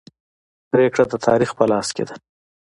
پریکړه د تاریخ په لاس کې ده.